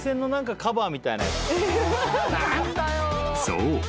［そう。